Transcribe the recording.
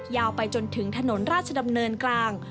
ยาวไปจนถึงถนนราชดำเนินกลาง